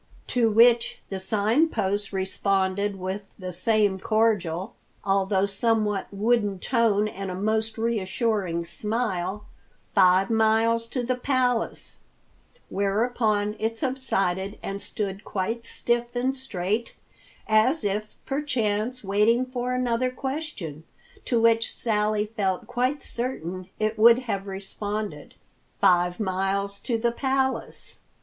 To which the Sign Post responded with the same cordial, although somewhat wooden tone and a most reassuring smile, "Five miles to the Palace," whereupon it subsided and stood quite stiff and straight, as if, perchance, waiting for another question, to which Sally felt quite certain it would have responded, "Five miles to the Palace!"